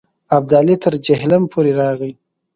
ابدالي تر جیهلم پورې راغی.